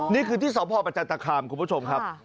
นี่คือที่สพประจันตคามคุณผู้ชมครับ